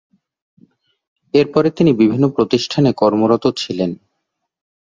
এরপরে তিনি বিভিন্ন প্রতিষ্ঠানে কর্মরত ছিলেন।